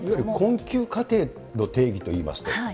困窮家庭の定義といいますと。